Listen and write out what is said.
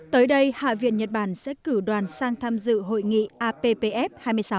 tới đây hạ viện nhật bản sẽ cử đoàn sang tham dự hội nghị appf hai mươi sáu